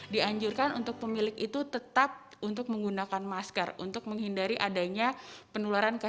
dianjurkan untuk pemilik itu tetap untuk menggunakan masker untuk menghindari adanya penularan virus